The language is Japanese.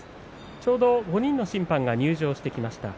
ちょうど５人の審判が入場してきました。